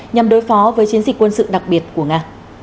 nhằm đối phó với chiến dịch quân sự đặc biệt của nga